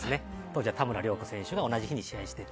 当時は田村亮子選手と同じ日に試合をして。